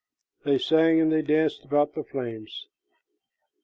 They sang and they danced about the flames.